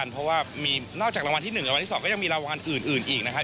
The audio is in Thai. เพราะว่ามีนอกจากรางวัลที่๑รางวัลที่๒ก็ยังมีรางวัลอื่นอีกนะครับ